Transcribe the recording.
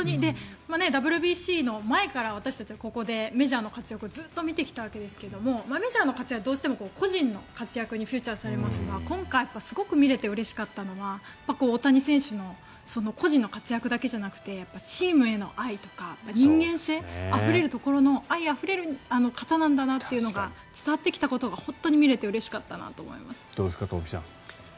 ＷＢＣの前から私たちはここでメジャーの活躍をずっと見てきたわけですがメジャーの方は個人の活躍にフィーチャーされますが今回すごく見れてうれしかったのは大谷選手の個人の活躍だけじゃなくてチームへの愛とか人間性が愛があふれるところの方なんだなというのが伝わってきたことが本当に見れてうれしかったなとどうですか東輝さん。